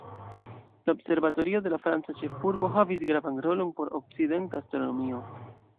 La observatorio de la franca ĉefurbo havis gravan rolon por okcidenta astronomio.